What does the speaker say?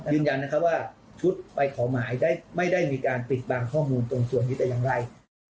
ยืนยันนะครับว่าชุดไปขอหมายไม่ได้มีการปิดบางข้อมูลตรงส่วนนี้แต่อย่างไร